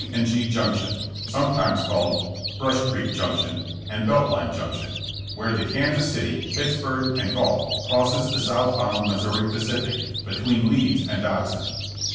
& G, Junction/' sometimes called Brush Creek junction and Belt Line junction, where the Kansas City, Pitts burg & Gulf crosses the southbound Missouri Pacific, between Leeds and Dodson.